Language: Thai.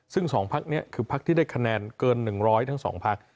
ซึ่ง๒พักนี้คือพักที่ได้คะแนนเกิน๑๐๐ทั้ง๒พัก